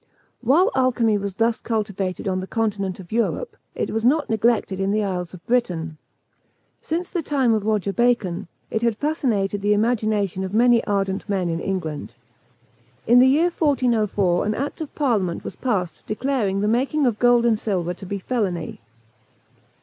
While alchymy was thus cultivated on the continent of Europe, it was not neglected in the isles of Britain. Since the time of Roger Bacon, it had fascinated the imagination of many ardent men in England. In the year 1404 an act of parliament was passed declaring the making of gold and silver to be felony.